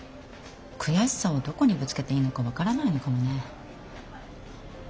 悔しさをどこにぶつけていいのか分からないのかもね。